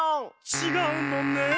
ちがうのねえ。